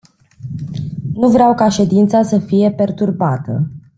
Nu vreau ca ședința să fie perturbată.